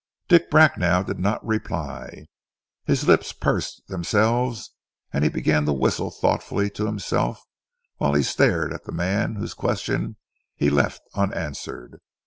Dick Bracknell did not reply. His lips pursed themselves and he began to whistle thoughtfully to himself the while he stared at the man whose question he left unanswered.